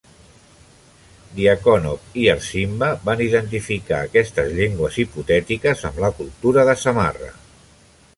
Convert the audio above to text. Dyakonov i Ardzinba van identificar aquestes llengües hipotètiques amb la cultura de Samarra.